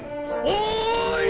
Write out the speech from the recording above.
おい！